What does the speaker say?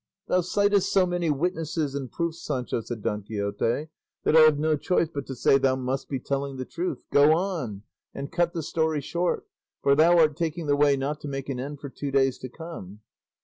"Thou citest so many witnesses and proofs, Sancho," said Don Quixote, "that I have no choice but to say thou must be telling the truth; go on, and cut the story short, for thou art taking the way not to make an end for two days to come."